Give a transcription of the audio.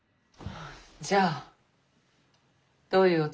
じゃあどういうおつもり？